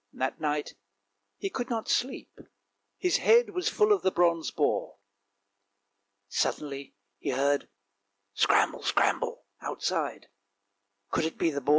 That night he could not sleep, his head was full of the bronze boar. Suddenly he heard "scramble, scramble," outside, could it be the boar?